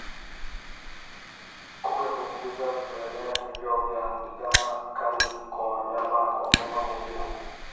Kupe huingiza vimelea hivyo vya ndigana kali kwa mnyama mwingine